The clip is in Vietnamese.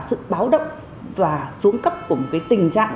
sự báo động và xuống cấp của một cái tình trạng